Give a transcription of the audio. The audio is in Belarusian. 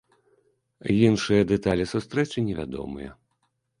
Іншыя дэталі сустрэчы невядомыя.